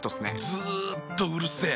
ずっとうるせえ。